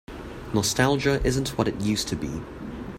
Nostalgia isn't what it used to be.